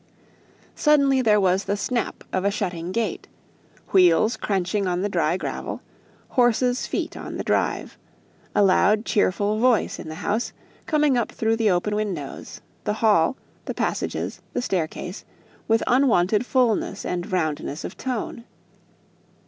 Suddenly there was the snap of a shutting gate; wheels crackling on the dry gravel, horses' feet on the drive; a loud cheerful voice in the house, coming up through the open windows, the hall, the passages, the staircase, with unwonted fulness and roundness of tone.